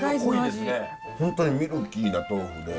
本当にミルキーな豆腐で。